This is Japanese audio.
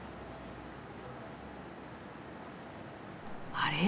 あれ？